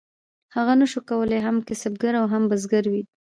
هغه نشو کولی هم کسبګر او هم بزګر وي.